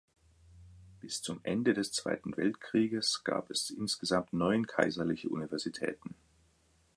Bis zum Ende des Zweiten Weltkrieges gab es insgesamt neun kaiserliche Universitäten.